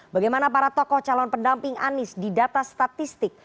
bagaimana para tokoh calon pendamping anies di data statistik